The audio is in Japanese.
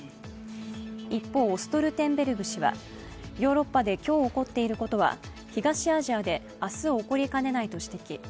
一方、ストルテンベルグ氏はヨーロッパで今日起こっていることは東アジアで明日起こりかねないと指摘。